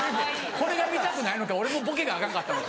これが見たくないのか俺のボケがアカンかったのか。